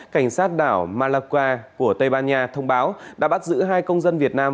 cảnh sát đảo malaqua của tây ban nha thông báo đã bắt giữ hai công dân việt nam